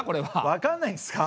わかんないんですか？